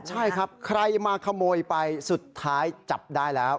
ใช่ครับใครมาขโมยไปสุดท้ายจับได้แล้ว